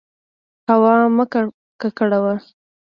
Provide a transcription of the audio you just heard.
هوا مه ککړوه.